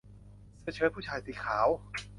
เสื้อเชิ้ตผู้ชายสีขาว